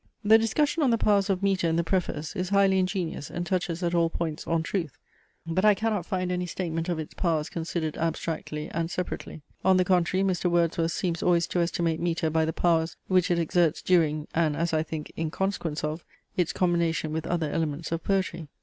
The discussion on the powers of metre in the preface is highly ingenious and touches at all points on truth. But I cannot find any statement of its powers considered abstractly and separately. On the contrary Mr. Wordsworth seems always to estimate metre by the powers, which it exerts during, (and, as I think, in consequence of) its combination with other elements of poetry.